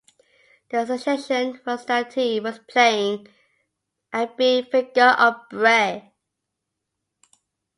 The suggestion was that he was playing at being Vicar of Bray.